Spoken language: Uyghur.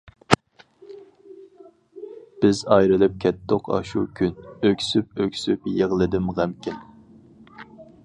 بىز ئايرىلىپ كەتتۇق ئاشۇ كۈن، ئۆكسۈپ-ئۆكسۈپ يىغلىدىم غەمكىن.